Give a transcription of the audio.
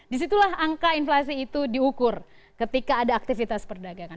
disitulah angka inflasi itu diukur ketika ada aktivitas perdagangan